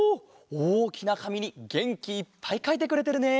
おおきなかみにげんきいっぱいかいてくれてるね。